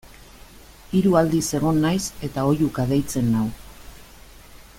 Hiru aldiz egon naiz eta oihuka deitzen nau.